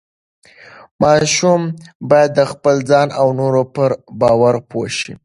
ماشوم باید د خپل ځان او نورو پر باور پوه شي.